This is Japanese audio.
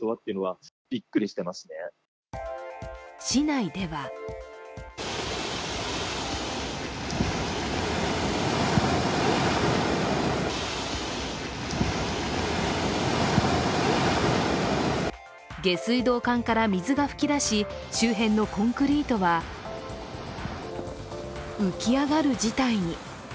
市内では下水道管から水が噴き出し、周辺のコンクリートは浮き上がる事態に。